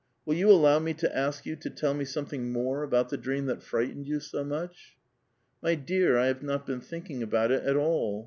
Will you allow me to ask y^^ to tell me something more about the dream that fright «»^d you so much ?"'* My dear,^ I have not been thinking about it at all.